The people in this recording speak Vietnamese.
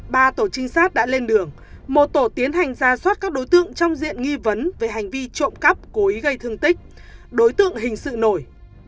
ba tổ trinh sát đã lên đường một tổ tiến hành ra soát các đối tượng trong diện nghi vấn về hành vi trộm cắp cố ý gây thương tích đối tượng hình sự nổi